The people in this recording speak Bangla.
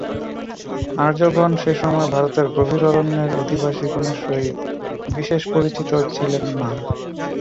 আর্যগণ সে-সময় ভারতের গভীর অরণ্যের অধিবাসিগণের সহিত বিশেষ পরিচিত ছিলেন না।